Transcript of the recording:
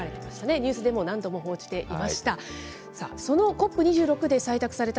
ニュースでも何度も報じていました。